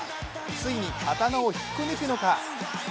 ついに刀を引っこ抜くのか？。